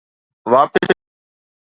واپس اچ